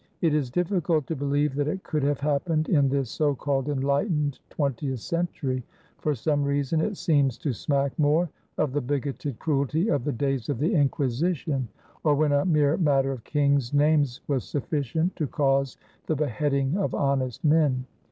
It is difiicult to believe that it could have happened in this so called enlightened twentieth century. For some rea son, it seems to smack more of the bigoted cruelty of the days of the Inquisition, or when a mere matter of kings' names was sufficient to cause the beheading of honest men.